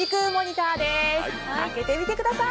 開けてみてください！